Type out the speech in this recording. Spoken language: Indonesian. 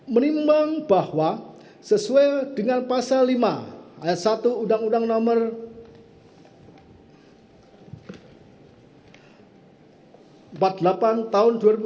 menimbang bahwa sesuai dengan pasal lima ayat satu undang undang nomor empat puluh delapan tahun dua ribu empat belas